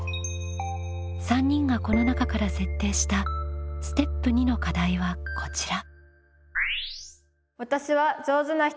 ３人がこの中から設定したステップ２の課題はこちら。